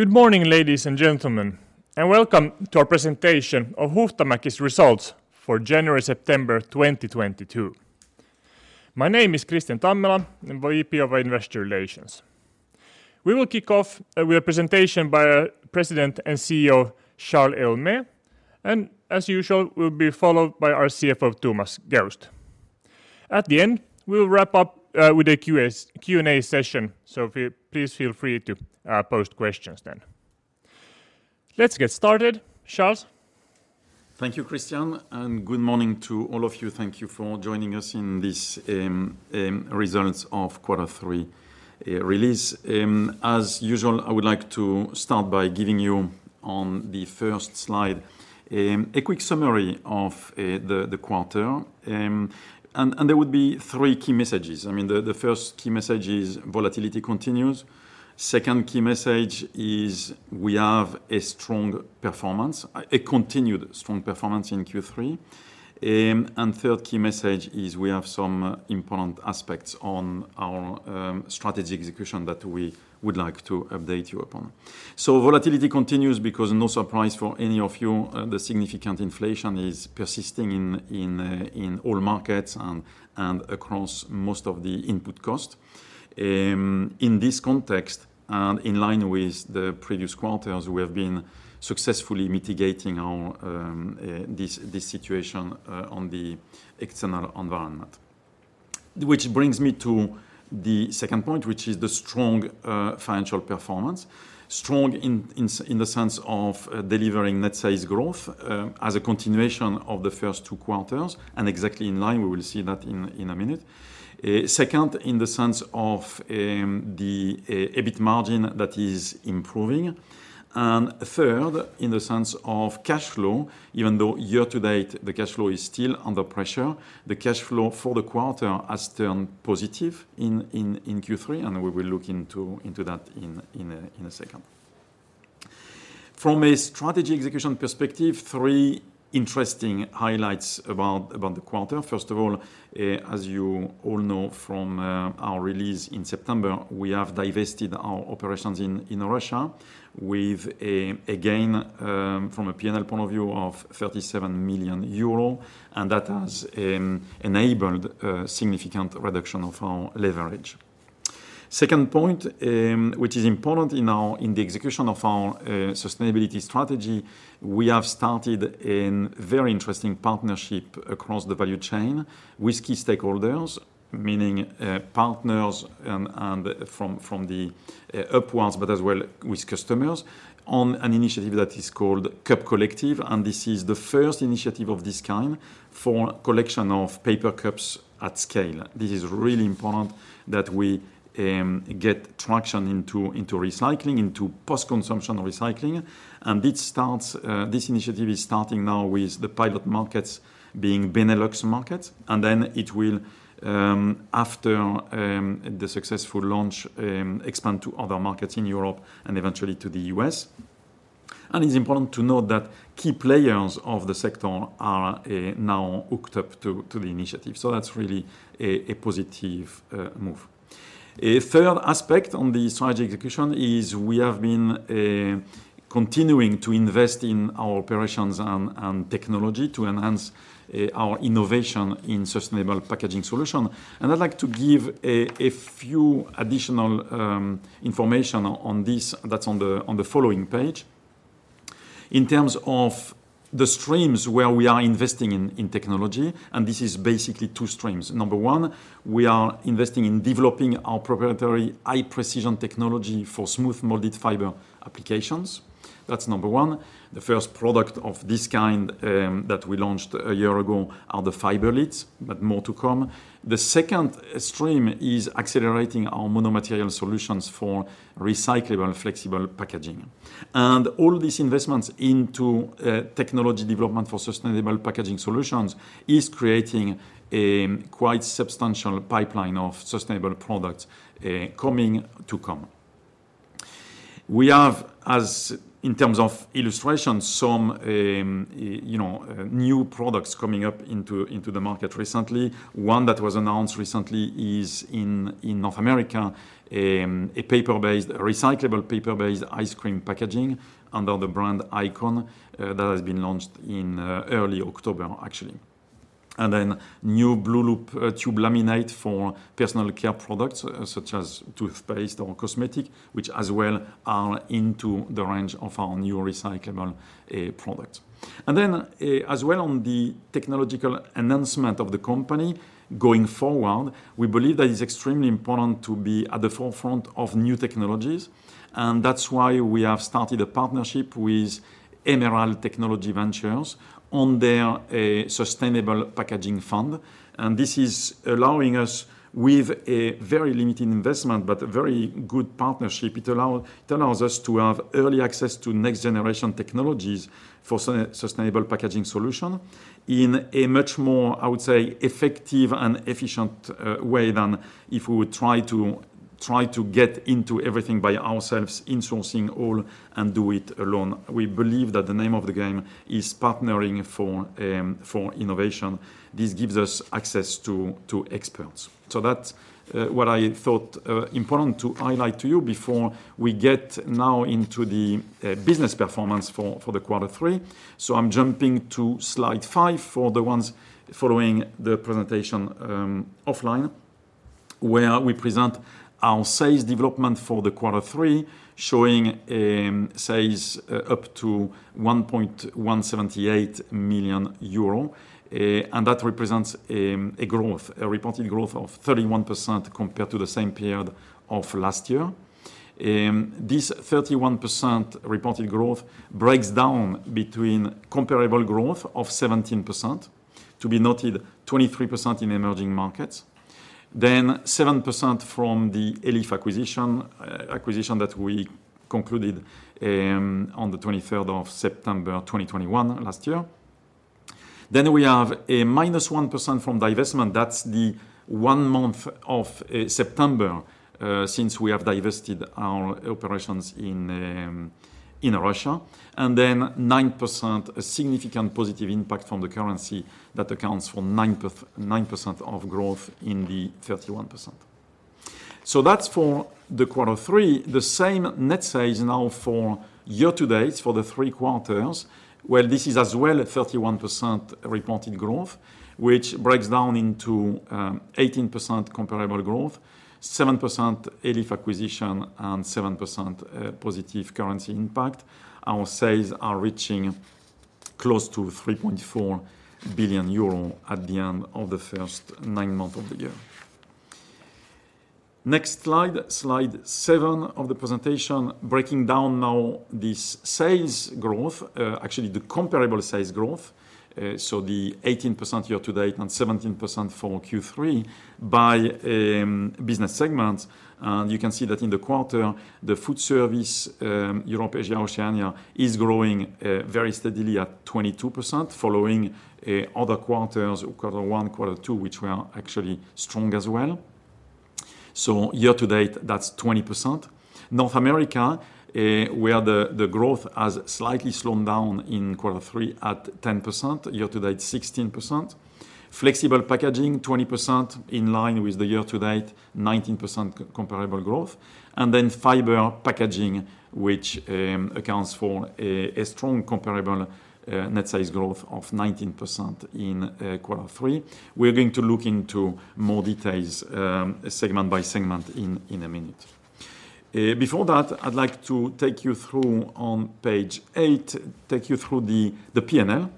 Good morning, ladies and gentlemen, and welcome to our presentation of Huhtamäki's results for January-September 2022. My name is Kristian Tammela, and VP of Investor Relations. We will kick off with a presentation by our President and CEO, Charles Héaulmé, and as usual, we'll be followed by our CFO, Thomas Geust. At the end, we'll wrap up with a Q&A session. Please feel free to post questions then. Let's get started. Charles? Thank you, Kristian, and good morning to all of you. Thank you for joining us in this results of quarter three release. As usual, I would like to start by giving you on the first slide a quick summary of the quarter. There would be three key messages. I mean, the first key message is volatility continues. Second key message is we have a strong performance, a continued strong performance in Q3. Third key message is we have some important aspects on our strategy execution that we would like to update you upon. Volatility continues because, no surprise for any of you, the significant inflation is persisting in all markets and across most of the input cost. In this context and in line with the previous quarters, we have been successfully mitigating our this situation on the external environment. Which brings me to the second point, which is the strong financial performance. Strong in the sense of delivering net sales growth as a continuation of the first two quarters and exactly in line. We will see that in a minute. Second, in the sense of the EBIT margin that is improving. Third, in the sense of cash flow, even though year-to-date the cash flow is still under pressure, the cash flow for the quarter has turned positive in Q3, and we will look into that in a second. From a strategy execution perspective, three interesting highlights about the quarter. First of all, as you all know from our release in September, we have divested our operations in Russia with a gain from a P&L point of view of 37 million euro, and that has enabled a significant reduction of our leverage. Second point, which is important in the execution of our sustainability strategy, we have started in very interesting partnership across the value chain with key stakeholders, meaning partners and from the upstream, but as well with customers on an initiative that is called Cup Collective, and this is the first initiative of this kind for collection of paper cups at scale. This is really important that we get traction into recycling, into post-consumer recycling. This initiative is starting now with the pilot markets being Benelux markets, and then it will, after the successful launch, expand to other markets in Europe and eventually to the US. It's important to note that key players of the sector are now hooked up to the initiative. That's really a positive move. A third aspect on the strategy execution is we have been continuing to invest in our operations and technology to enhance our innovation in sustainable packaging solution. I'd like to give a few additional information on this that's on the following page. In terms of the streams where we are investing in technology, and this is basically two streams. Number one, we are investing in developing our proprietary high-precision technology for smooth molded fiber applications. That's number one. The first product of this kind that we launched a year ago are the fiber lids, but more to come. The second stream is accelerating our mono-material solutions for recyclable flexible packaging. All these investments into technology development for sustainable packaging solutions is creating a quite substantial pipeline of sustainable products coming to come. We have, as in terms of illustration, some you know new products coming up into the market recently. One that was announced recently is in North America, a recyclable paper-based ice cream packaging under the brand ICON that has been launched in early October, actually. New blueloop tube laminate for personal care products such as toothpaste or cosmetic, which as well are into the range of our new recyclable product. As well on the technological enhancement of the company going forward, we believe that it's extremely important to be at the forefront of new technologies, and that's why we have started a partnership with Emerald Technology Ventures on their sustainable packaging fund. This is allowing us with a very limited investment but a very good partnership, it allows us to have early access to next-generation technologies for sustainable packaging solution in a much more, I would say, effective and efficient way than if we would try to get into everything by ourselves, insourcing all, and do it alone. We believe that the name of the game is partnering for innovation. This gives us access to experts. That's what I thought important to highlight to you before we get now into the business performance for the quarter three. I'm jumping to slide 5 for the ones following the presentation offline, where we present our sales development for the quarter three, showing sales up to 1,178 million euro. And that represents a growth, a reported growth of 31% compared to the same period of last year. This 31% reported growth breaks down between comparable growth of 17%. To be noted, 23% in emerging markets. Then 7% from the Elif acquisition that we concluded on the twenty-third of September 2021 last year. Then we have a -1% from divestment. That's the one month of September since we have divested our operations in Russia. Nine percent, a significant positive impact from the currency that accounts for 9% of growth in the 31%. That's for Q3. The same net sales now for year-to-date for the three quarters, where this is as well a 31% reported growth, which breaks down into 18% comparable growth, 7% Elif acquisition, and 7% positive currency impact. Our sales are reaching close to 3.4 billion euro at the end of the first nine months of the year. Next slide 7 of the presentation, breaking down now the sales growth, actually the comparable sales growth, so the 18% year-to-date and 17% for Q3 by business segment. You can see that in the quarter, the food service Europe, Asia, Oceania is growing very steadily at 22% following other quarters, quarter one, quarter two, which were actually strong as well. Year-to-date, that's 20%. North America, where the growth has slightly slowed down in quarter three at 10%, year-to-date, 16%. Flexible packaging, 20% in line with the year-to-date, 19% comparable growth. Then fiber packaging, which accounts for a strong comparable net sales growth of 19% in quarter three. We're going to look into more details segment by segment in a minute. Before that, I'd like to take you through on page eight the P&L.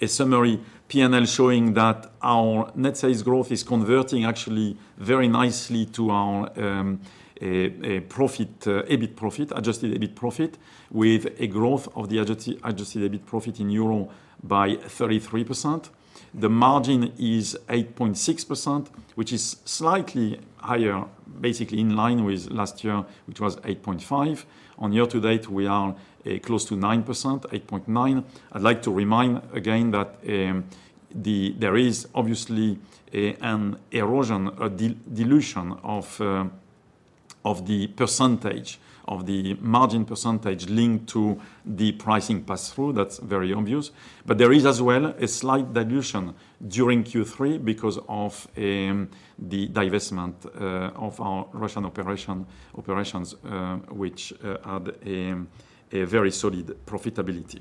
A summary P&L showing that our net sales growth is converting actually very nicely to our profit, EBIT profit, adjusted EBIT profit, with a growth of the adjusted EBIT profit in EUR by 33%. The margin is 8.6%, which is slightly higher, basically in line with last year, which was 8.5%. On year to date, we are close to 9%, 8.9%. I'd like to remind again that there is obviously an erosion, a dilution of the percentage, of the margin percentage linked to the pricing pass-through. That's very obvious. There is as well a slight dilution during Q3 because of the divestment of our Russian operations, which had a very solid profitability.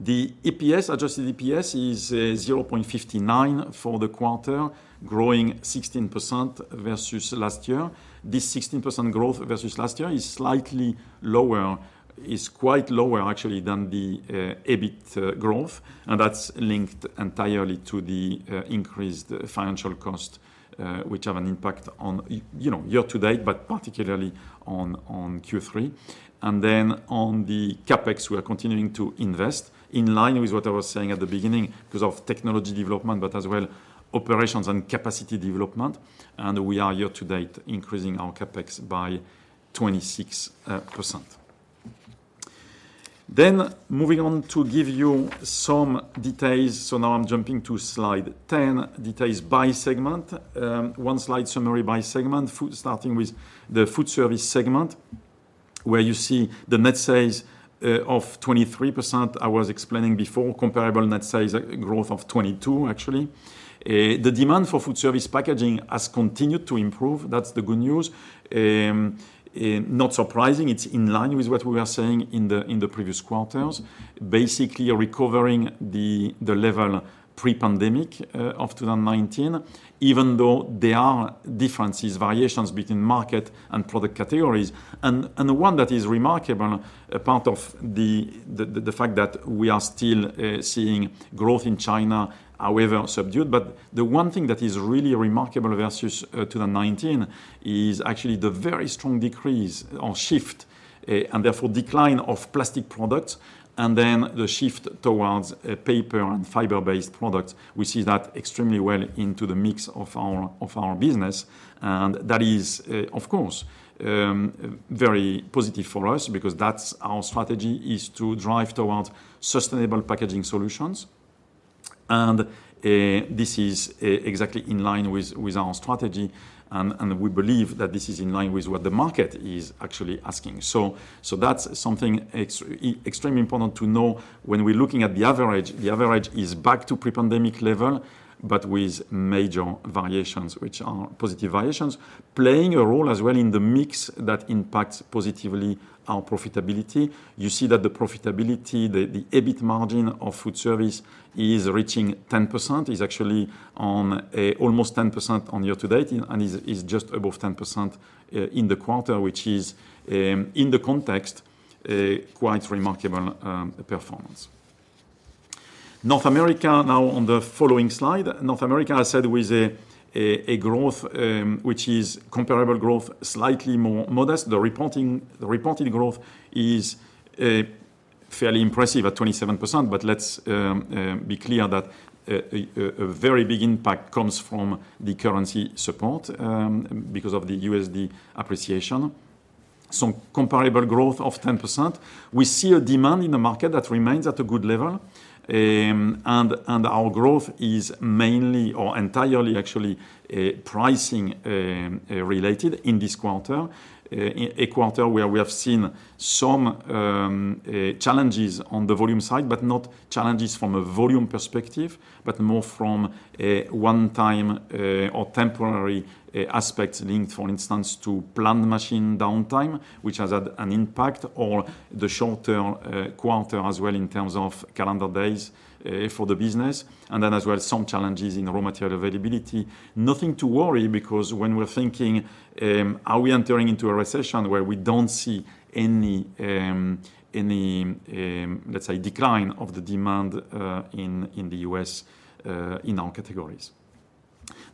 The EPS, adjusted EPS is 0.59 for the quarter, growing 16% versus last year. This 16% growth versus last year is slightly lower, is quite lower actually than the EBIT growth, and that's linked entirely to the increased financial cost, which have an impact on you know, year-to-date, but particularly on Q3. On the CapEx, we are continuing to invest in line with what I was saying at the beginning because of technology development, but as well operations and capacity development. We are year-to-date increasing our CapEx by 26%. Moving on to give you some details. Now I'm jumping to slide 10, details by segment. One slide summary by segment. Starting with the food service segment, where you see the net sales of 23% I was explaining before, comparable net sales growth of 22, actually. The demand for food service packaging has continued to improve. That's the good news. Not surprising. It's in line with what we were saying in the previous quarters. Basically recovering the level pre-pandemic of 2019, even though there are differences, variations between market and product categories. The one that is remarkable, a part of the fact that we are still seeing growth in China, however subdued. The one thing that is really remarkable versus 2019 is actually the very strong decrease or shift, and therefore decline of plastic products, and then the shift towards paper and fiber-based products. We see that extremely well into the mix of our business. That is, of course, very positive for us because that's our strategy, is to drive towards sustainable packaging solutions. This is exactly in line with our strategy and we believe that this is in line with what the market is actually asking. That's something extremely important to know when we're looking at the average. The average is back to pre-pandemic level, but with major variations, which are positive variations, playing a role as well in the mix that impacts positively our profitability. You see that the profitability, the EBIT margin of food service is reaching 10%, is actually on almost 10% on year-to-date and is just above 10%, in the quarter, which is in the context a quite remarkable performance. North America now on the following slide. North America has seen with a growth, which is comparable growth, slightly more modest. The reported growth is fairly impressive at 27%. Let's be clear that a very big impact comes from the currency support, because of the U.S.D. appreciation. Some comparable growth of 10%. We see a demand in the market that remains at a good level, and our growth is mainly or entirely actually pricing related in this quarter. A quarter where we have seen some challenges on the volume side, but not challenges from a volume perspective, but more from a one-time or temporary aspects linked, for instance, to planned machine downtime, which has had an impact, or the shorter quarter as well in terms of calendar days for the business, and then as well, some challenges in raw material availability. Nothing to worry because when we're thinking, are we entering into a recession where we don't see any let's say, decline of the demand in the U.S. in our categories.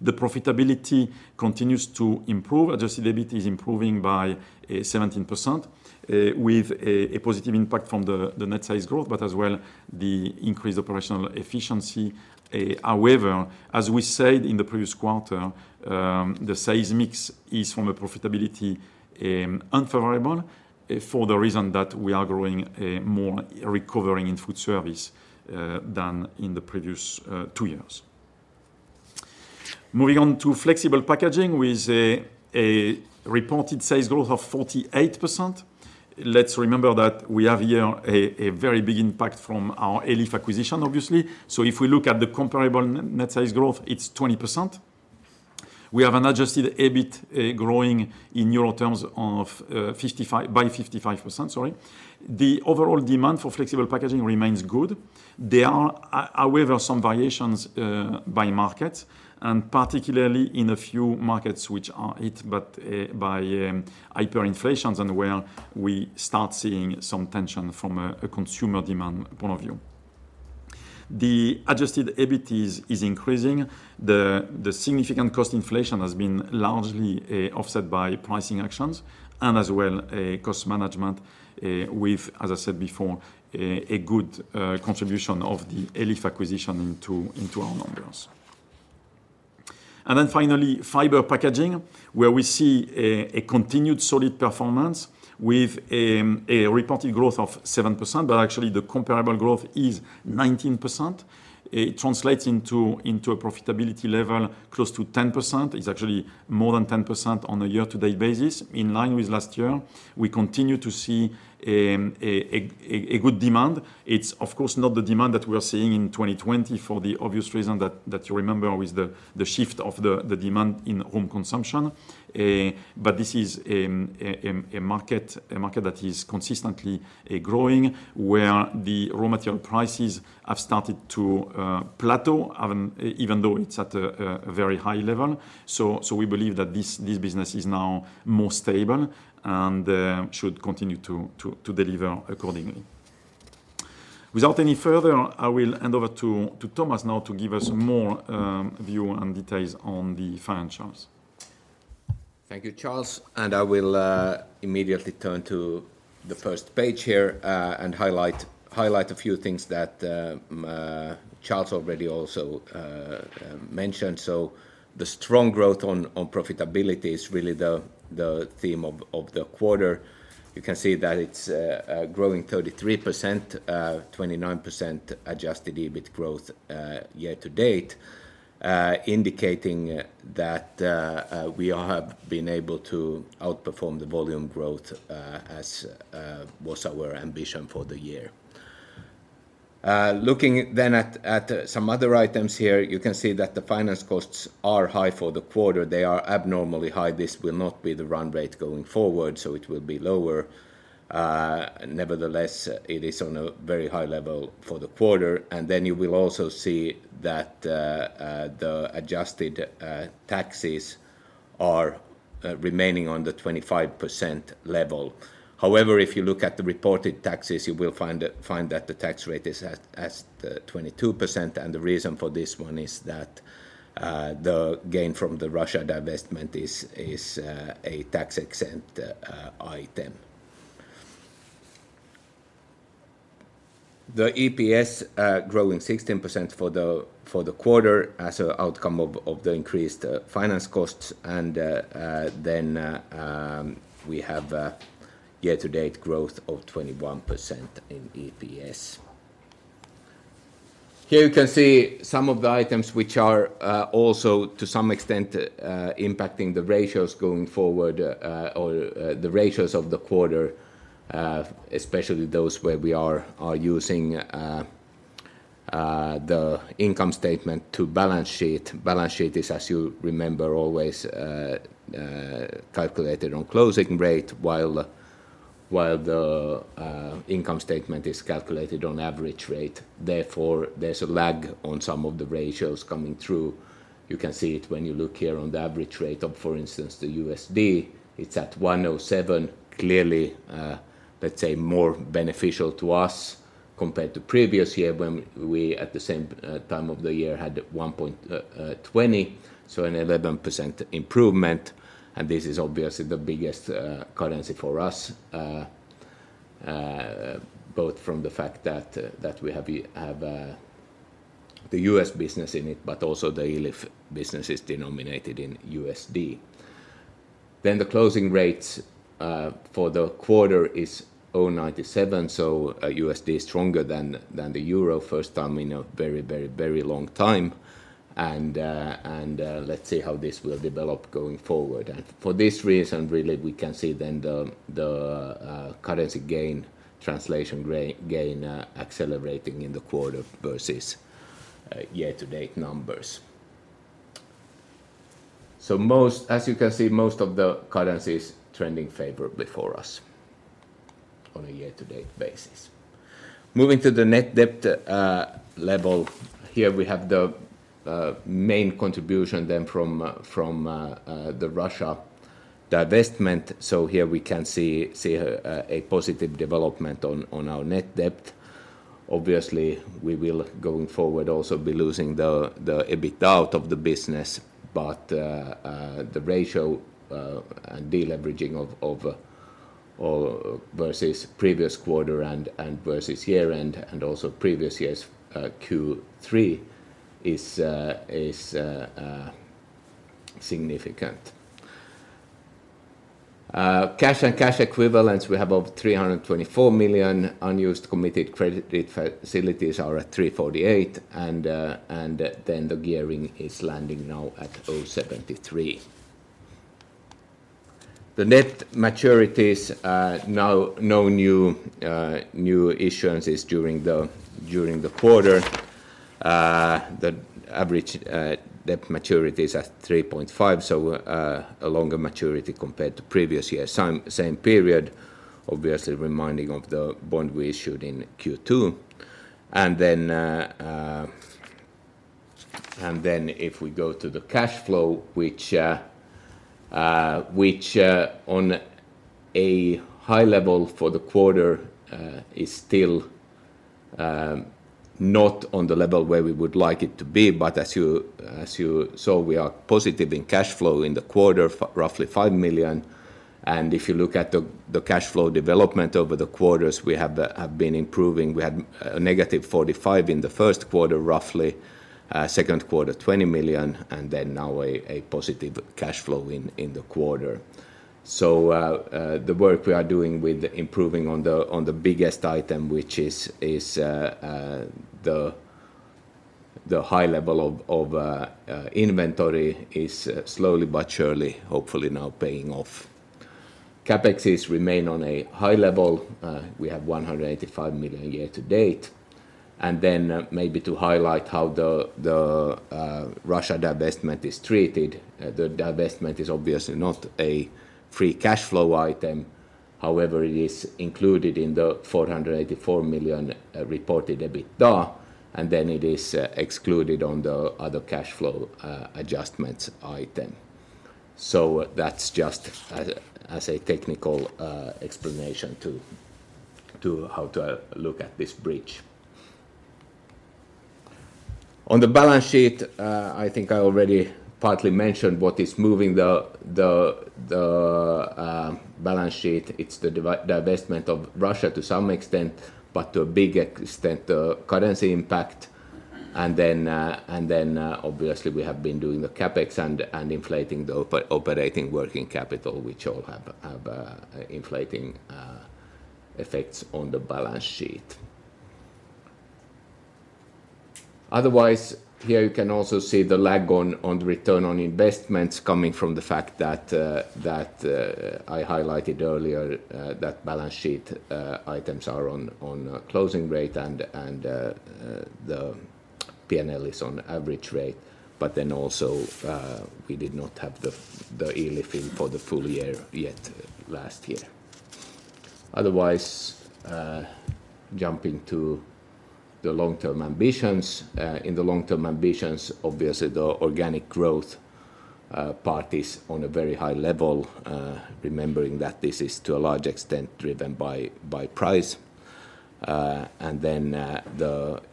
The profitability continues to improve. Adjusted EBIT is improving by 17%, with a positive impact from the net sales growth, but as well the increased operational efficiency. However, as we said in the previous quarter, the sales mix is, from a profitability, unfavorable for the reason that we are growing more recovering in food service than in the previous two years. Moving on to Flexible Packaging with a reported sales growth of 48%. Let's remember that we have here a very big impact from our Elif acquisition, obviously. If we look at the comparable net sales growth, it's 20%. We have an adjusted EBIT growing in euro terms by 55%, sorry. The overall demand for Flexible Packaging remains good. There are, however, some variations by market, and particularly in a few markets which are hit by hyperinflations and where we start seeing some tension from a consumer demand point of view. The adjusted EBIT is increasing. The significant cost inflation has been largely offset by pricing actions and as well cost management, with, as I said before, a good contribution of the Elif acquisition into our numbers. Finally, Fiber Packaging, where we see a continued solid performance with a reported growth of 7%, but actually the comparable growth is 19%. It translates into a profitability level close to 10%. It's actually more than 10% on a year-to-date basis. In line with last year, we continue to see a good demand. It's of course not the demand that we are seeing in 2020 for the obvious reason that you remember with the shift of the demand in home consumption. This is a market that is consistently growing, where the raw material prices have started to plateau, even though it's at a very high level. We believe that this business is now more stable and should continue to deliver accordingly. Without any further, I will hand over to Thomas now to give us more view and details on the financials. Thank you, Charles. I will immediately turn to the first page here and highlight a few things that Charles already also mentioned. The strong growth on profitability is really the theme of the quarter. You can see that it's growing 33%, 29% adjusted EBIT growth year-to-date, indicating that we all have been able to outperform the volume growth, as was our ambition for the year. Looking then at some other items here, you can see that the finance costs are high for the quarter. They are abnormally high. This will not be the run rate going forward, so it will be lower. Nevertheless, it is on a very high level for the quarter. You will also see that the adjusted taxes are remaining on the 25% level. However, if you look at the reported taxes, you will find that the tax rate is at 22%. The reason for this one is that the gain from the Russia divestment is a tax-exempt item. The EPS growing 16% for the quarter as an outcome of the increased finance costs. We have a year-to-date growth of 21% in EPS. Here you can see some of the items which are also to some extent impacting the ratios going forward, or the ratios of the quarter, especially those where we are using the income statement to balance sheet. Balance sheet is, as you remember, always calculated on closing rate while the income statement is calculated on average rate. Therefore, there's a lag on some of the ratios coming through. You can see it when you look here on the average rate of, for instance, the USD, it's at 1.07, clearly, let's say, more beneficial to us compared to previous year when, at the same time of the year, had 1.20, so an 11% improvement. This is obviously the biggest currency for us both from the fact that we have the U.S. business in it, but also the Elif business is denominated in USD. The closing rates for the quarter is 0.97, so USD is stronger than the euro, first time in a very long time. Let's see how this will develop going forward. For this reason, really, we can see then the currency translation gain accelerating in the quarter versus year-to-date numbers. As you can see, most of the currency is trending favorably for us on a year-to-date basis. Moving to the net debt level, here we have the main contribution then from the Russia divestment. Here we can see a positive development on our net debt. Obviously, we will, going forward, also be losing the EBITDA of the business, but the ratio and deleveraging or versus previous quarter and versus year-end, and also previous years Q3, is significant. Cash and cash equivalents, we have over 324 million. Unused committed credit facilities are at 348 million, and then the gearing is landing now at 0.73. The net maturities now no new issuance is during the quarter. The average debt maturity is at 3.5, so a longer maturity compared to previous year-same-period, obviously reminding of the bond we issued in Q2. If we go to the cash flow, which on a high level for the quarter is still not on the level where we would like it to be, but as you saw, we are positive in cash flow in the quarter, roughly 5 million. If you look at the cash flow development over the quarters, we have been improving. We had negative 45 million in the first quarter, roughly, second quarter, 20 million, and then now a positive cash flow in the quarter. The work we are doing with improving on the biggest item, which is the high level of inventory, is slowly but surely, hopefully now paying off. CapEx remains on a high level. We have 185 million year-to-date. Maybe to highlight how the Russia divestment is treated, the divestment is obviously not a free cash flow item. However, it is included in the 484 million reported EBITDA, and then it is excluded on the other cash flow adjustments item. That's just as a technical explanation to how to look at this bridge. On the balance sheet, I think I already partly mentioned what is moving the balance sheet. It's the divestment of Russia to some extent, but to a big extent, currency impact. Obviously, we have been doing the CapEx and inflating the operating working capital, which all have inflating effects on the balance sheet. Otherwise, here you can also see the lag on the return on investments coming from the fact that I highlighted earlier, that balance sheet items are on a closing rate and the PNL is on average rate. Also, we did not have the Elif field for the full-year yet last year. Otherwise, jumping to the long-term ambitions. In the long-term ambitions, obviously, the organic growth part is on a very high level, remembering that this is to a large extent driven by price. The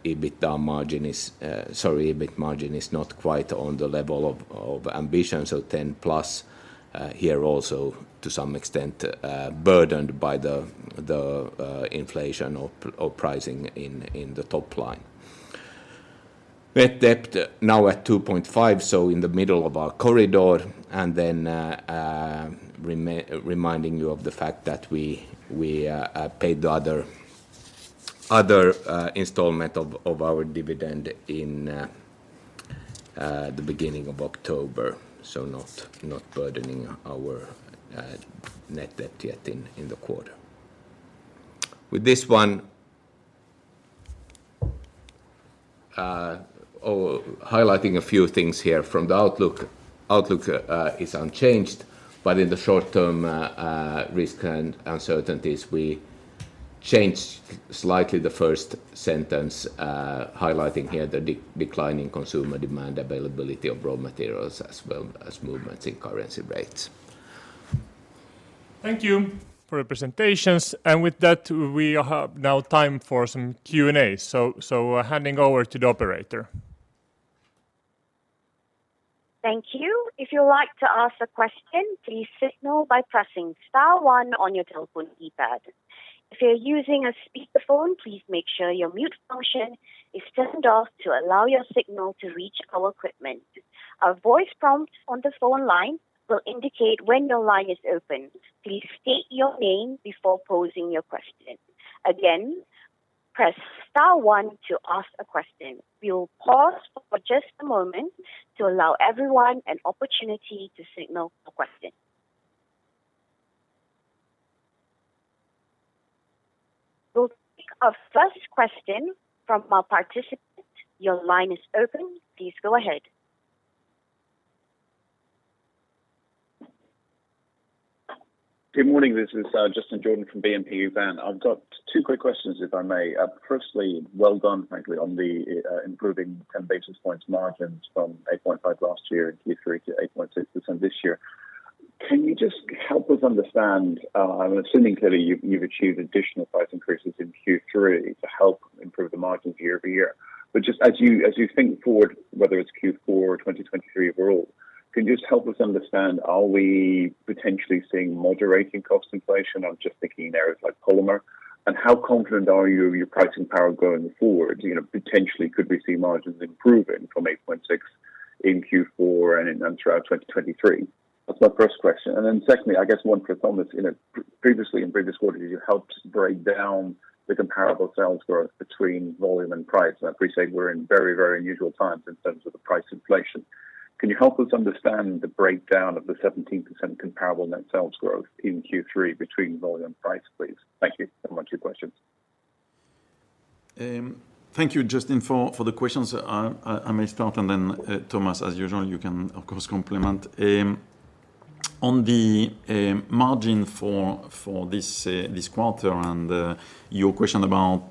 EBITDA margin is, sorry, EBIT margin is not quite on the level of ambition, so 10%+, here also to some extent, burdened by the inflation or pricing in the top line. Net debt now at 2.5, so in the middle of our corridor. Reminding you of the fact that we paid the other installment of our dividend in the beginning of October, so not burdening our net debt yet in the quarter. With this one, highlighting a few things here from the outlook. Outlook is unchanged, but in the short term, risk and uncertainties, we changed slightly the first sentence, highlighting here the declining consumer demand, availability of raw materials as well as movements in currency rates. Thank you for the presentations. With that, we have now time for some Q&A. Handing over to the operator. Thank you. If you'd like to ask a question, please signal by pressing star one on your telephone keypad. If you're using a speakerphone, please make sure your mute function is turned off to allow your signal to reach our equipment. A voice prompt on the phone line will indicate when your line is open. Please state your name before posing your question. Again, press star one to ask a question. We will pause for just a moment to allow everyone an opportunity to signal a question. We'll take our first question from our participant. Your line is open. Please go ahead. Good morning. This is Justin Jordan from BNP Paribas. I've got two quick questions, if I may. Firstly, well done, frankly, on the improving 10 basis points margins from 8.5% last year in Q3 to 8.6% this year. Can you just help us understand, I'm assuming clearly you've achieved additional price increases in Q3 to help improve the margins year-over-year. But just as you think forward, whether it's Q4 2023 overall, can you just help us understand, are we potentially seeing moderating cost inflation? I'm just thinking areas like polymer. And how confident are you of your pricing power going forward? You know, potentially could we see margins improving from 8.6 in Q4 and throughout 2023? That's my first question. Then secondly, I guess on performance, you know, previously in previous quarters, you helped break down the comparable sales growth between volume and price. I appreciate we're in very, very unusual times in terms of the price inflation. Can you help us understand the breakdown of the 17% comparable net sales growth in Q3 between volume and price, please? Thank you so much for your questions. Thank you, Justin, for the questions. I may start, and then, Thomas, as usual, you can of course complement. On the margin for this quarter and your question about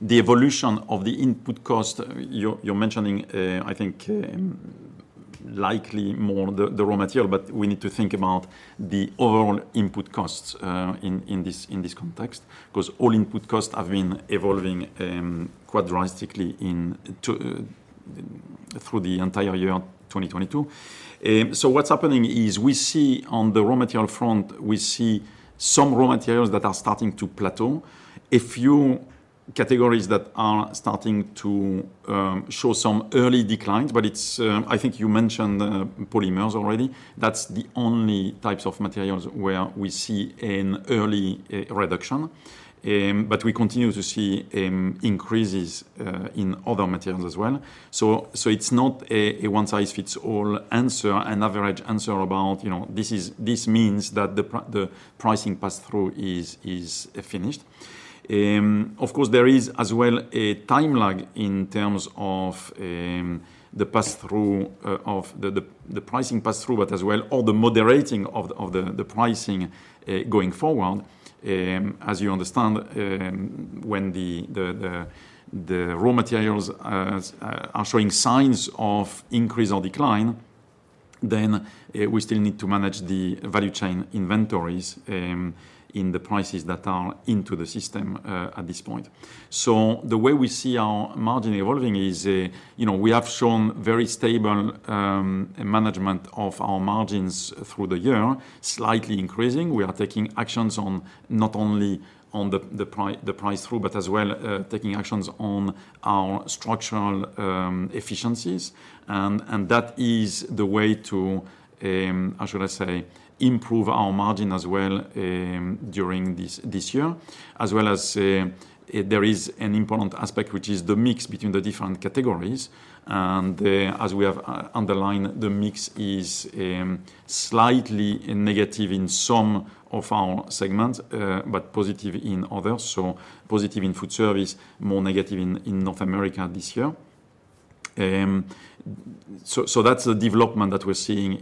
the evolution of the input cost, you're mentioning, I think, likely more the raw material, but we need to think about the overall input costs in this context, 'cause all input costs have been evolving quite drastically through the entire year, 2022. What's happening is we see on the raw material front, we see some raw materials that are starting to plateau. A few categories that are starting to show some early declines, but it's, I think you mentioned, polymers already. That's the only types of materials where we see an early reduction. We continue to see increases in other materials as well. It's not a one-size-fits-all answer, an average answer about, you know, this means that the pricing pass-through is finished. Of course, there is as well a time lag in terms of the pass-through of the pricing pass-through, but as well all the moderating of the pricing going forward. As you understand, when the raw materials are showing signs of increase or decline, then we still need to manage the value chain inventories in the prices that are into the system at this point. The way we see our margin evolving is, you know, we have shown very stable management of our margins through the year, slightly increasing. We are taking actions not only on the price through, but as well, taking actions on our structural efficiencies. That is the way to, how should I say, improve our margin as well during this year. As well as, there is an important aspect which is the mix between the different categories. As we have underlined, the mix is slightly negative in some of our segments, but positive in others. Positive in food service, more negative in North America this year. That's the development that we're seeing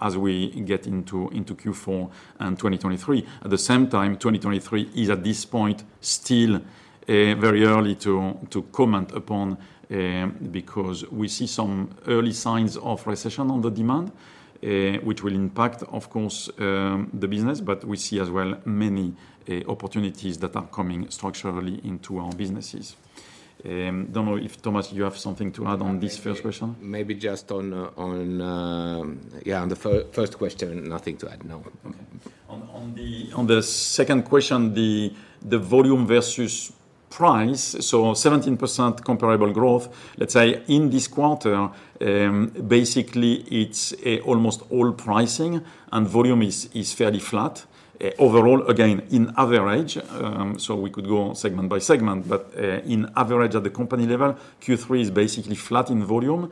as we get into Q4 and 2023. At the same time, 2023 is at this point still very early to comment upon, because we see some early signs of recession in demand, which will impact, of course, the business. We see as well many opportunities that are coming structurally into our businesses. Don't know if Thomas you have something to add on this first question. Maybe just on the first question, nothing to add. No. Okay. On the second question, the volume versus Pricing. 17% comparable growth, let's say, in this quarter, basically it's almost all pricing and volume is fairly flat. Overall, again, on average, we could go segment by segment. On average at the company level, Q3 is basically flat in volume,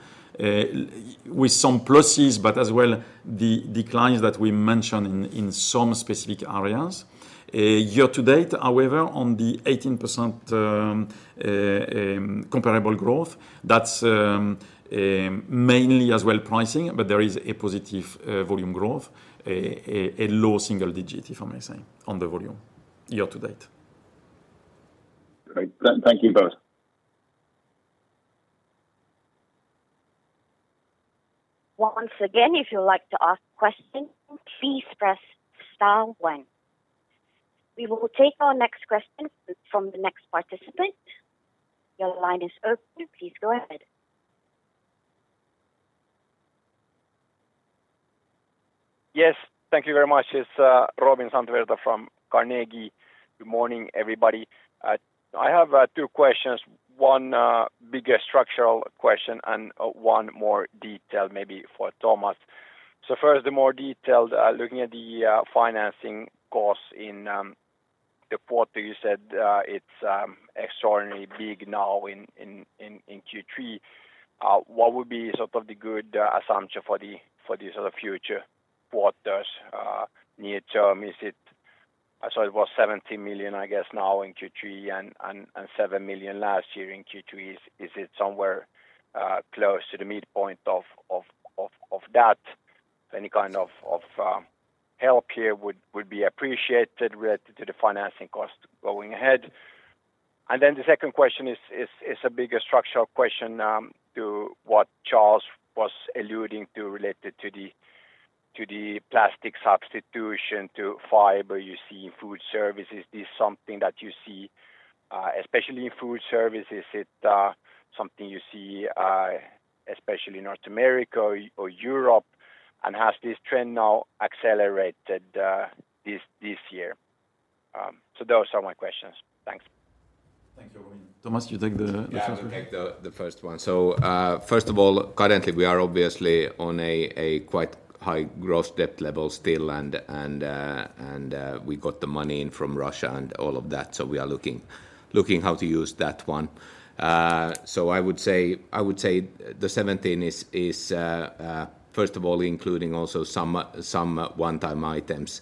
with some pluses, but as well the declines that we mentioned in some specific areas. Year-to-date, however, on the 18% comparable growth, that's mainly as well pricing, but there is a positive volume growth, a low single digit, if I may say, on the volume year-to-date. Great. Thank you both. Once again, if you'd like to ask a question, please press star one. We will take our next question from the next participant. Your line is open. Please go ahead. Yes. Thank you very much. It's Robin Santavirta from Carnegie. Good morning, everybody. I have two questions. One bigger structural question and one more detailed maybe for Thomas. First, the more detailed, looking at the financing costs in the quarter, you said it's extraordinarily big now in Q3. What would be sort of the good assumption for these other future quarters near term? Is it? It was 70 million, I guess now in Q3 and 7 million last year in Q3. Is it somewhere close to the midpoint of that? Any kind of help here would be appreciated related to the financing cost going ahead. The second question is a bigger structural question to what Charles Héaulmé was alluding to related to the plastic substitution to fiber you see in food services. Is this something that you see especially in food service? Is it something you see especially in North America or Europe? Has this trend now accelerated this year? Those are my questions. Thanks. Thank you, Robin. Thomas, do you take the first one? Yeah, I will take the first one. First of all, currently we are obviously on a quite high gross debt level still, and we got the money in from Russia and all of that, so we are looking how to use that one. I would say the 17 is first of all including also some one-time items.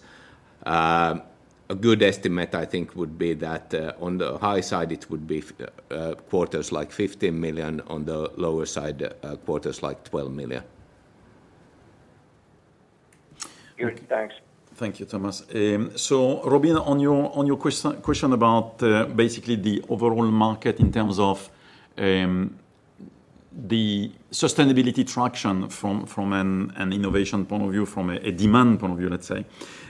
A good estimate, I think, would be that on the high side it would be quarters like 15 million, on the lower side quarters like 12 million. Great. Thanks. Thank you, Thomas. Robin, on your question about basically the overall market in terms of the sustainability traction from an innovation point of view, from a demand point of view, let's say.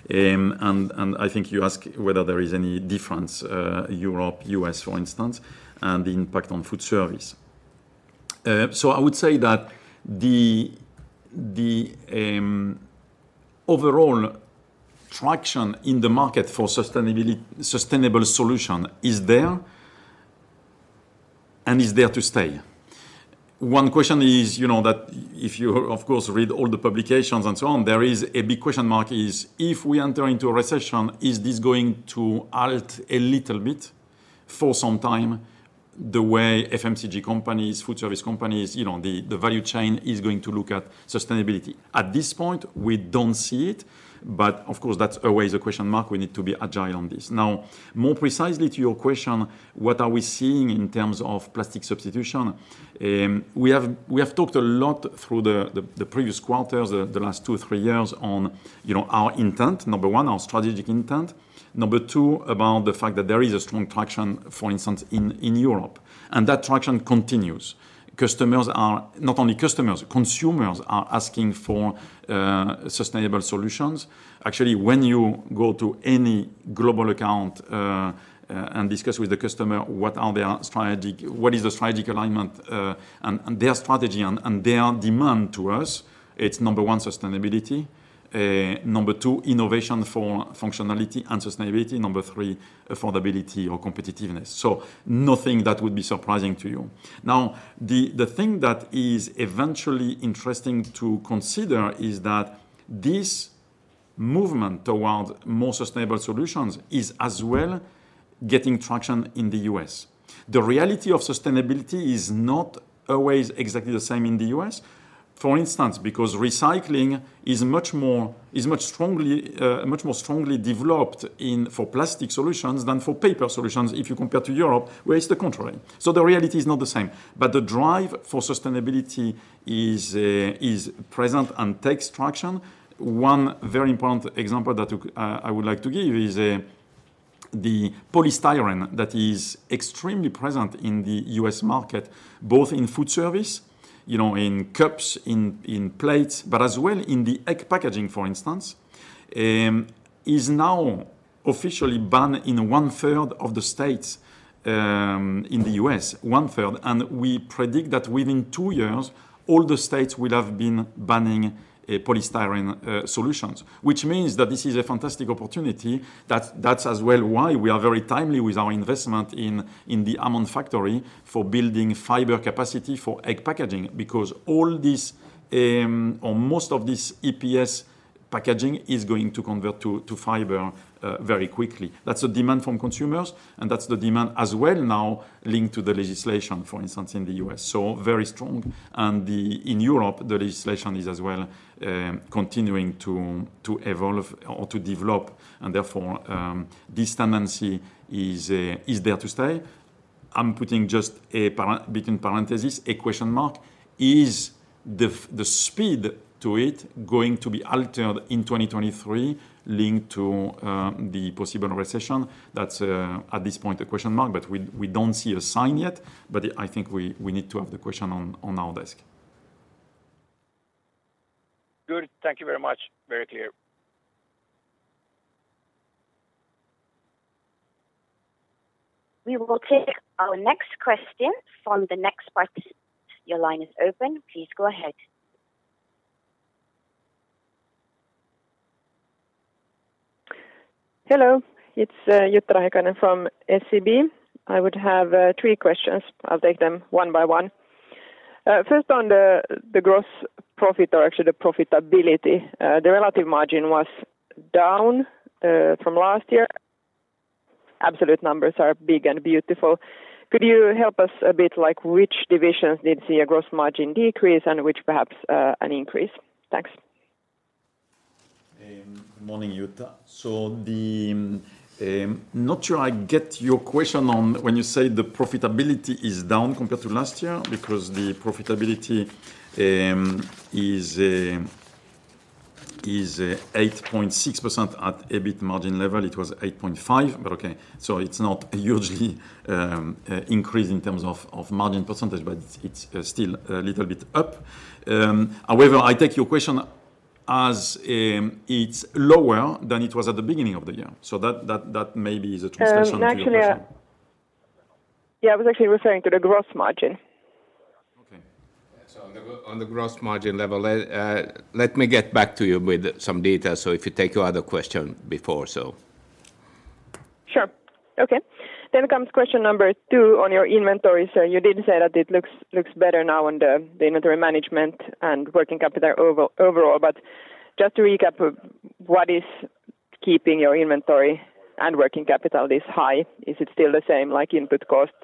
I think you ask whether there is any difference, Europe, U.S., for instance, and the impact on food service. I would say that the overall traction in the market for sustainable solution is there and is there to stay. One question is, you know, that if you of course read all the publications and so on, there is a big question mark is, if we enter into a recession, is this going to halt a little bit for some time the way FMCG companies, food service companies, you know, the value chain is going to look at sustainability? At this point, we don't see it, but of course, that's always a question mark. We need to be agile on this. Now, more precisely to your question, what are we seeing in terms of plastic substitution? We have talked a lot through the previous quarters, the last 2-3 years on, you know, our intent, number one, our strategic intent. Number two, about the fact that there is a strong traction, for instance, in Europe, and that traction continues. Customers are not only customers, consumers are asking for sustainable solutions. Actually, when you go to any global account and discuss with the customer what is the strategic alignment and their strategy and their demand to us, it's number one, sustainability. Number two, innovation for functionality and sustainability. Number three, affordability or competitiveness. Nothing that would be surprising to you. Now, the thing that is eventually interesting to consider is that this movement towards more sustainable solutions is as well getting traction in the US. The reality of sustainability is not always exactly the same in the US. For instance, because recycling is much more strongly developed for plastic solutions than for paper solutions, if you compare to Europe, where it's the contrary. The reality is not the same. The drive for sustainability is present and takes traction. One very important example that I would like to give is the polystyrene that is extremely present in the U.S. market, both in food service, you know, in cups, in plates, but as well in the egg packaging, for instance, is now officially banned in one third of the states in the U.S. One third. We predict that within two years, all the states will have been banning polystyrene solutions. Which means that this is a fantastic opportunity that's as well why we are very timely with our investment in the Hammond factory for building fiber capacity for egg packaging. Because all this, or most of this EPS packaging is going to convert to fiber very quickly. That's a demand from consumers, and that's the demand as well now linked to the legislation, for instance, in the U.S. Very strong. In Europe, the legislation is as well, continuing to evolve or to develop, and therefore, this tendency is there to stay. I'm putting just parentheses, a question mark. Is the speed to it going to be altered in 2023 linked to the possible recession? That's at this point, a question mark, but we don't see a sign yet. I think we need to have the question on our desk. Good. Thank you very much. Very clear. We will take our next question from the next participant. Your line is open. Please go ahead. Hello. It's Jutta Rahikainen from SEB. I would have three questions. I'll take them one by one. First on the gross profit or actually the profitability, the relative margin was down from last year. Absolute numbers are big and beautiful. Could you help us a bit like which divisions did see a gross margin decrease and which perhaps an increase? Thanks. Morning, Jutta. I'm not sure I get your question on when you say the profitability is down compared to last year, because the profitability is 8.6% at EBIT margin level. It was 8.5%, but okay. It's not a huge increase in terms of margin percentage, but it's still a little bit up. However, I take your question as it's lower than it was at the beginning of the year. That maybe is a translation to your question. Actually, yeah, I was actually referring to the gross margin. Okay. On the gross margin level, let me get back to you with some data. If you take your other question before so. Sure. Okay. Comes question number two on your inventory. You did say that it looks better now on the inventory management and working capital overall. Just to recap, what is keeping your inventory and working capital this high? Is it still the same, like input costs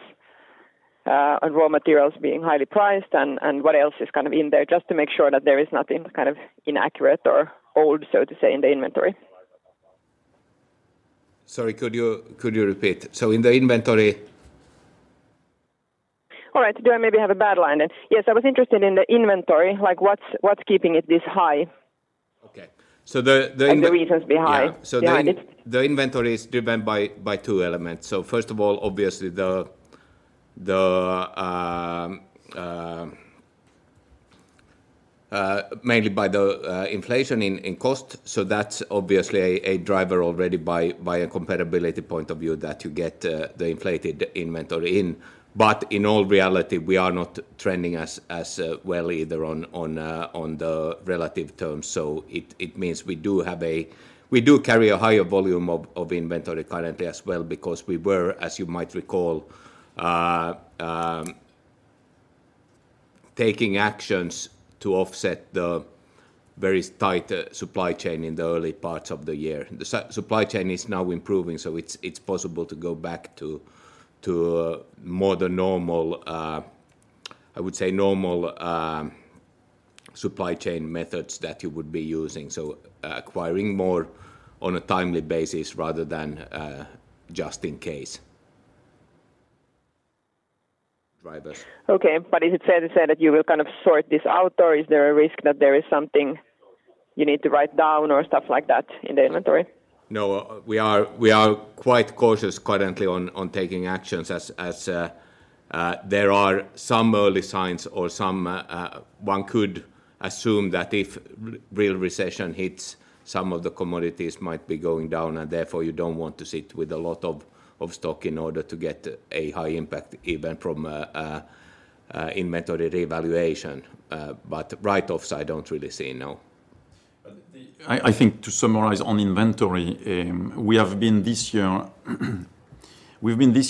and raw materials being highly priced, and what else is kind of in there, just to make sure that there is nothing kind of inaccurate or old, so to say, in the inventory? Sorry, could you repeat? In the inventory? All right. Do I maybe have a bad line then? Yes, I was interested in the inventory, like what's keeping it this high? Okay. The inven- Like the reasons behind. Yeah. Yeah, I mean it's. The inventory is driven by two elements. First of all, obviously, mainly by the inflation in cost. That's obviously a driver already by a comparability point of view that you get the inflated inventory in. In all reality, we are not trending as well either on the relative terms. It means we do carry a higher volume of inventory currently as well because we were, as you might recall, taking actions to offset the very tight supply chain in the early parts of the year. The supply chain is now improving, it's possible to go back to more the normal, I would say normal, supply chain methods that you would be using. Acquiring more on a timely basis rather than just in case drivers. Okay. Is it fair to say that you will kind of sort this out, or is there a risk that there is something you need to write down or stuff like that in the inventory? No, we are quite cautious currently on taking actions as there are some early signs or someone could assume that if real recession hits, some of the commodities might be going down, and therefore, you don't want to sit with a lot of stock in order to get a high impact even from an inventory revaluation. But write-offs, I don't really see, no. I think to summarize on inventory, we've been this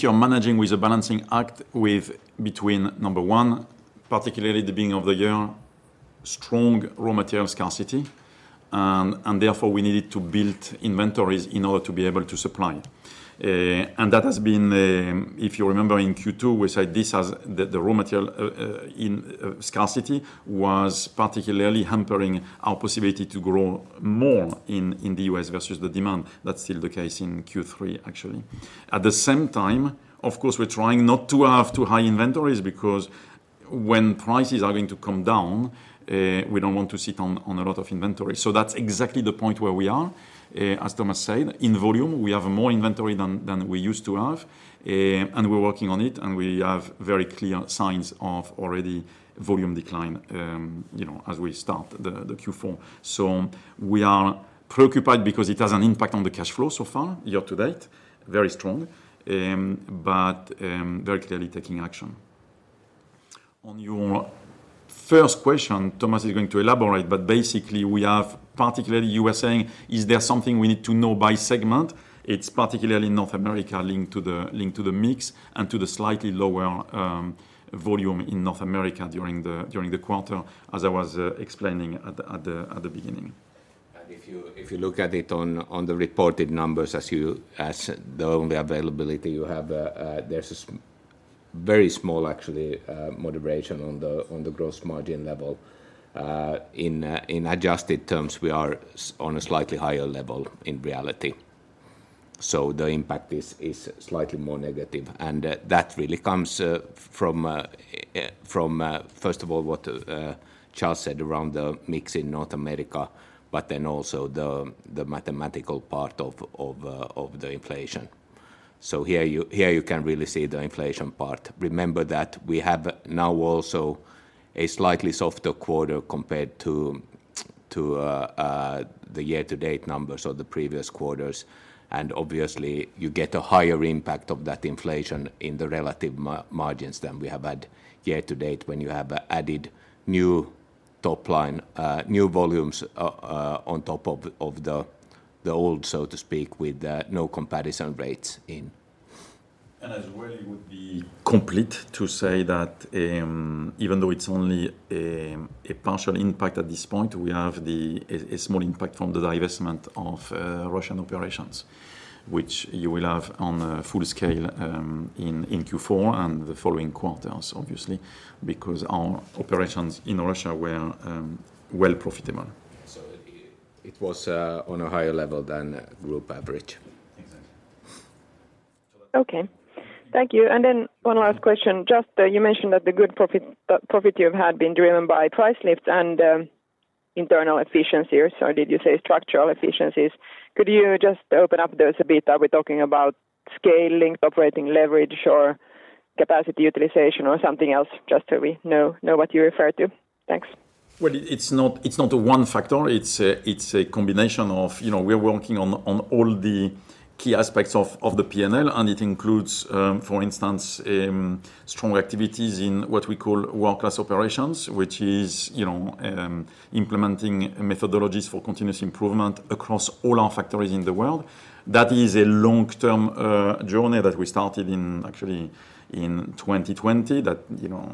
year managing a balancing act between, number one, particularly the beginning of the year, strong raw material scarcity, and therefore, we needed to build inventories in order to be able to supply. And that has been, if you remember in Q2, we said this as the raw material scarcity was particularly hampering our possibility to grow more in the U.S. versus the demand. That's still the case in Q3, actually. At the same time, of course, we're trying not to have too high inventories because when prices are going to come down, we don't want to sit on a lot of inventory. That's exactly the point where we are. As Thomas said, in volume, we have more inventory than we used to have, and we're working on it, and we have very clear signs of already volume decline, you know, as we start the Q4. We are preoccupied because it has an impact on the cash flow so far, year-to-date, very strong, but very clearly taking action. On your first question, Thomas is going to elaborate, but basically we have particularly you were saying, is there something we need to know by segment? It's particularly North America linked to the mix and to the slightly lower volume in North America during the quarter, as I was explaining at the beginning. If you look at it on the reported numbers as the only availability you have, there's a very small actually moderation on the gross margin level. In adjusted terms, we are on a slightly higher level in reality. The impact is slightly more negative. That really comes from first of all, what Charles said around the mix in North America, but then also the mathematical part of the inflation. Here you can really see the inflation part. Remember that we have now also a slightly softer quarter compared to the year-to-date numbers or the previous quarters. Obviously you get a higher impact of that inflation in the relative margins than we have had year-to-date when you have added new top line, new volumes, on top of the old, so to speak, with no comparison rates in. As well, it would be complete to say that even though it's only a partial impact at this point, we have a small impact from the divestment of Russian operations, which you will have on a full scale in Q4 and the following quarters, obviously, because our operations in Russia were well profitable. It was on a higher level than group average. Exactly. Okay. Thank you. One last question. Just, you mentioned that the good profit you've had been driven by price lifts and, internal efficiencies, or did you say structural efficiencies? Could you just open up those a bit? Are we talking about scaling, operating leverage or capacity utilization or something else? Just so we know what you refer to. Thanks. Well, it's not a one factor. It's a combination of, you know, we are working on all the key aspects of the PNL, and it includes, for instance, strong activities in what we call world-class operations, which is, you know, implementing methodologies for continuous improvement across all our factories in the world. That is a long-term journey that we started actually in 2020, that, you know,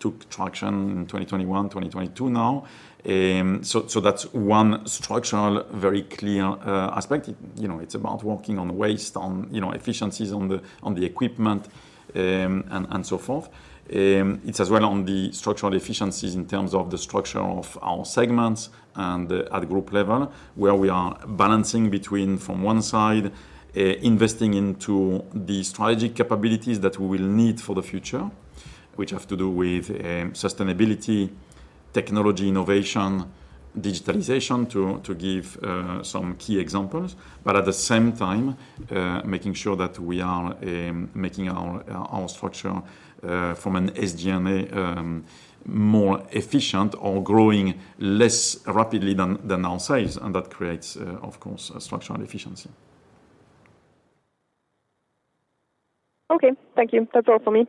took traction in 2021, 2022 now. So that's one structural very clear aspect. You know, it's about working on waste, on, you know, efficiencies on the equipment, and so forth. It's as well on the structural efficiencies in terms of the structure of our segments and at group level, where we are balancing between, from one side, investing into the strategic capabilities that we will need for the future, which have to do with sustainability, technology innovation, digitalization, to give some key examples. At the same time, making sure that we are making our structure from an SG&A more efficient or growing less rapidly than our sales. That creates, of course, a structural efficiency. Okay. Thank you. That's all for me.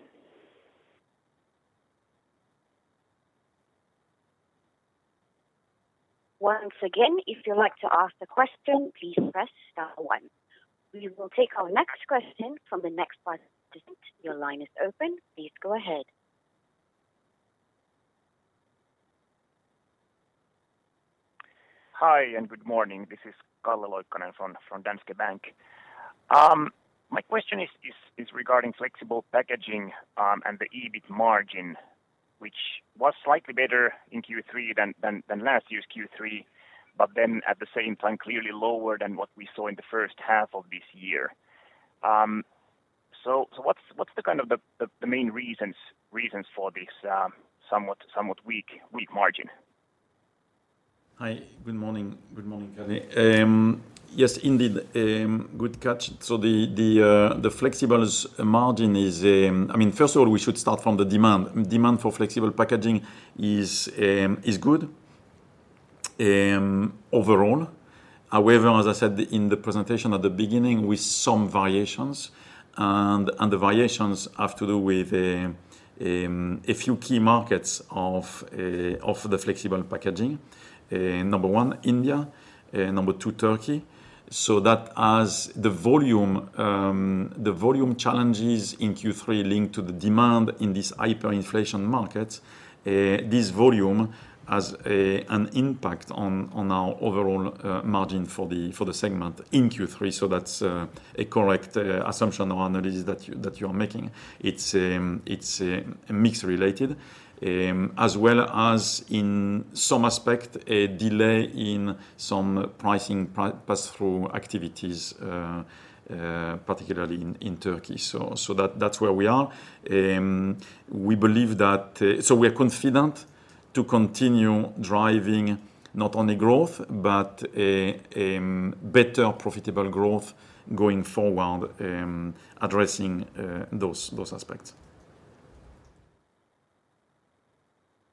Once again, if you'd like to ask a question, please press star one. We will take our next question from the next participant. Your line is open. Please go ahead. Hi, good morning. This is Calle Loikkanen from Danske Bank. My question is regarding Flexible Packaging and the EBIT margin, which was slightly better in Q3 than last year's Q3, but then at the same time, clearly lower than what we saw in the first half of this year. What's the kind of the main reasons for this somewhat weak margin? Hi. Good morning. Good morning, Calle. Yes, indeed, good catch. The flexibles margin is. I mean, first of all, we should start from the demand. Demand for flexible packaging is good overall. However, as I said in the presentation at the beginning, with some variations, and the variations have to do with a few key markets of the flexible packaging. Number one, India, number two, Turkey. That as the volume challenges in Q3 link to the demand in this hyperinflation market, this volume has an impact on our overall margin for the segment in Q3. That's a correct assumption or analysis that you are making. It's mix related, as well as in some aspect, a delay in some pricing pass-through activities, particularly in Turkey. That's where we are. We're confident to continue driving not only growth but a better profitable growth going forward, addressing those aspects.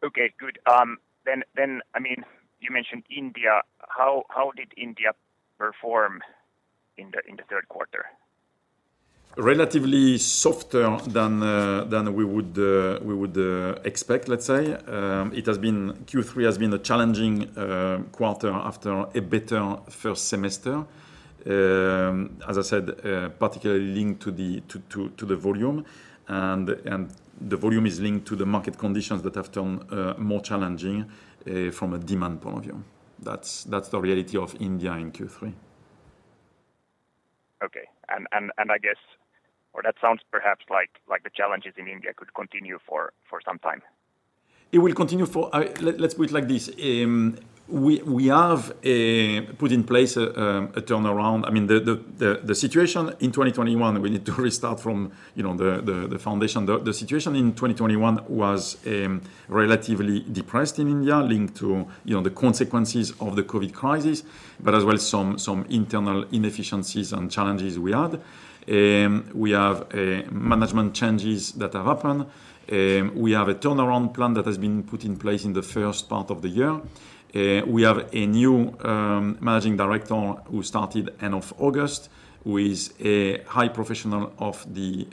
Okay, good. I mean, you mentioned India. How did India perform in the third quarter? Relatively softer than we would expect, let's say. Q3 has been a challenging quarter after a better first semester. As I said, particularly linked to the volume and the volume is linked to the market conditions that have turned more challenging from a demand point of view. That's the reality of India in Q3. That sounds perhaps like the challenges in India could continue for some time. It will continue for. Let's put it like this. We have put in place a turnaround. I mean, the situation in 2021, we need to restart from, you know, the foundation. The situation in 2021 was relatively depressed in India linked to, you know, the consequences of the COVID crisis, but as well, some internal inefficiencies and challenges we had. We have management changes that have happened. We have a turnaround plan that has been put in place in the first part of the year. We have a new managing director who started end of August, who is a highly professional of the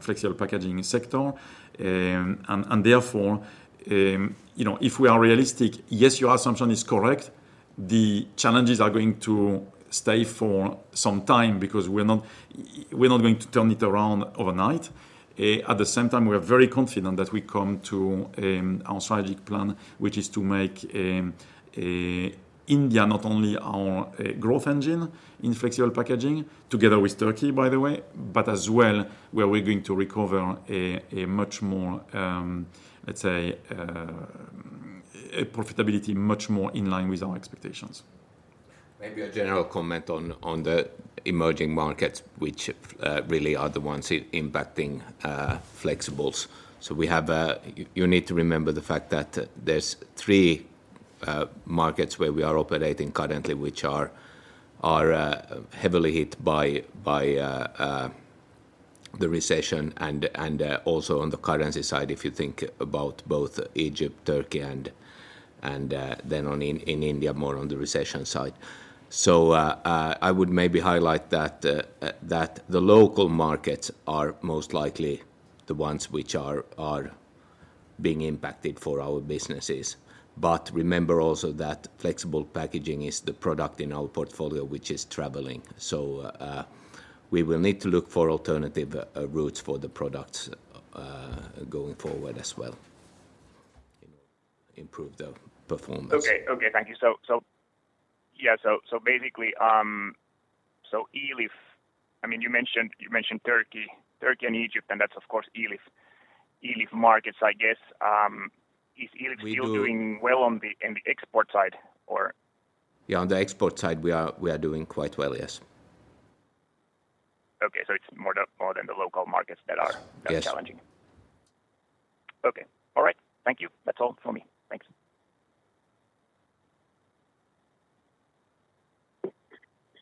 flexible packaging sector. And therefore, you know, if we are realistic, yes, your assumption is correct. The challenges are going to stay for some time because we're not going to turn it around overnight. At the same time, we are very confident that we come to our strategic plan, which is to make India not only our growth engine in flexible packaging together with Turkey, by the way, but as well, where we're going to recover a much more, let's say, a profitability much more in line with our expectations. Maybe a general comment on the emerging markets which really are the ones impacting flexibles. You need to remember the fact that there's three markets where we are operating currently, which are heavily hit by the recession and also on the currency side, if you think about both Egypt, Turkey, and then in India, more on the recession side. I would maybe highlight that the local markets are most likely the ones which are being impacted for our businesses. Remember also that flexible packaging is the product in our portfolio, which is traveling. We will need to look for alternative routes for the products going forward as well, you know, improve the performance. Okay. Thank you. Yeah. Basically, Elif, I mean, you mentioned Turkey and Egypt, and that's of course Elif markets, I guess. Is Elif- We do- still doing well in the export side or? Yeah, on the export side, we are doing quite well, yes. It's more than the local markets that are- Yes. More challenging. Okay. All right. Thank you. That's all for me. Thanks.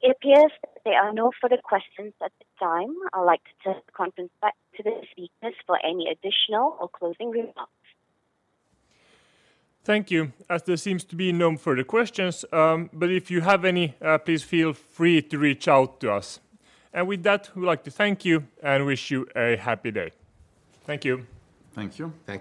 It appears there are no further questions at this time. I'd like to turn the conference back to the speakers for any additional or closing remarks. Thank you. As there seems to be no further questions, but if you have any, please feel free to reach out to us. With that, we'd like to thank you and wish you a happy day. Thank you. Thank you. Thank you.